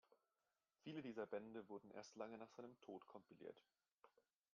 Viele dieser Bände wurden erst lange nach seinem Tod kompiliert.